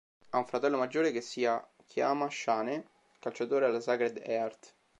Ha un fratello maggiore che sia chiama Shane, calciatore alla Sacred Heart.